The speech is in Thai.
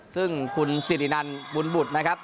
ซึ่งคุณสิรินันบุญบุตรนะครับ